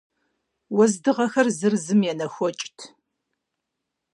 Уэздыгъэхэр зыр зым енэхуэкӏт.